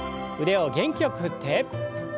腕を元気よく振って。